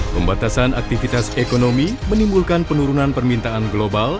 pembatasan aktivitas ekonomi menimbulkan penurunan permintaan global